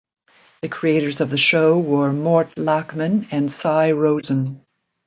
The creators of the show were Mort Lachman and Sy Rosen.